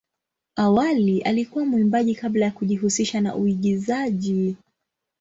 Awali alikuwa mwimbaji kabla ya kujihusisha na uigizaji.